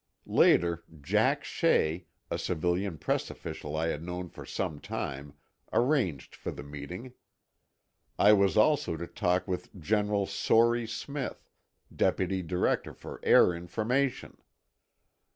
Later, Jack Shea, a civilian press official I had known for some time, arranged for the meeting. I was also to talk with General Sory Smith, Deputy Director for Air Information.